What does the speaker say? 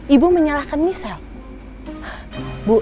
ibu menyalahkan michelle